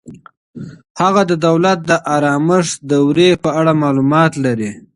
هغه د دولت د آرامښت دورې په اړه معلومات لري.